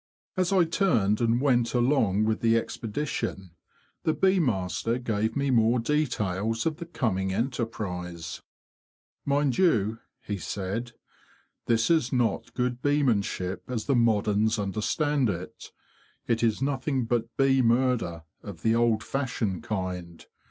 As I turned and went along with the expedition, the bee master gave me more details of the coming enterprise. "Mind you,"' he said, ' this is not good beeman ship as the moderns understand it. It is nothing but bee murder, of the old fashioned kind.